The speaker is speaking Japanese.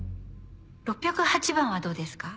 ６０８番はどうですか？